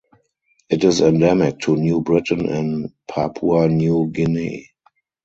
It is endemic to New Britain in Papua New Guinea.